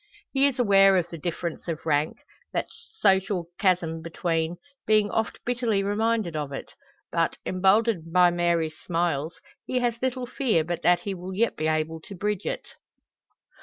He is aware of the difference of rank that social chasm between being oft bitterly reminded of it; but, emboldened by Mary's smiles, he has little fear but that he will yet be able to bridge it.